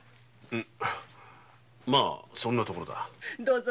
まあそんなところだ。